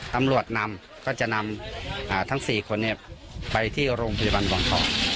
ตำรวจนำก็จะนำทั้ง๔คนไปที่โรงพยาบาลวังทอง